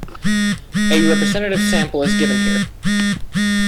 A representative sample is given here.